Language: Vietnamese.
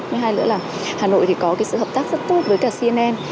thứ hai nữa là hà nội thì có cái sự hợp tác rất tốt với cả cnn